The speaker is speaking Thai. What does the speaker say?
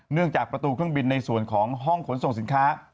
จากประตูเครื่องบินในส่วนของห้องขนส่งสินค้า